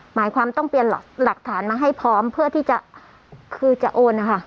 หมายความต้องเปลี่ยนหลักฐานมาให้พร้อมเพื่อที่จะคือจะโอนนะคะ